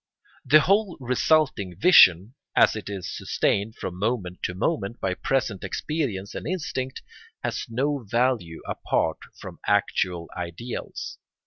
The whole resulting vision, as it is sustained from moment to moment by present experience and instinct, has no value apart from actual ideals.